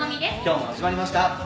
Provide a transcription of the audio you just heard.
今日も始まりました。